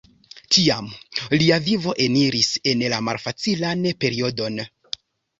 Tiam lia vivo eniris en la malfacilan periodon.